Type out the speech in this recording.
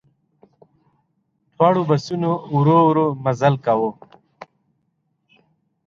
دواړو بسونو ورو ورو مزل کاوه.